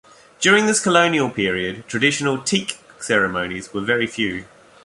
During this colonial period, traditional Teke ceremonies were very few.